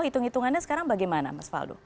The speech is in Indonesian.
hitung hitungannya sekarang bagaimana mas faldo